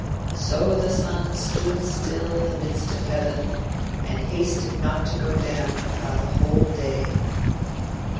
"So the sun stood still in the midst of heaven, and hasted not to go down about a whole day."